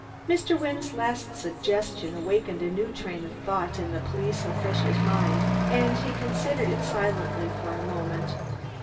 Mr. Wynne's last suggestion awakened a new train of thought in the police official's mind, and he considered it silently for a moment.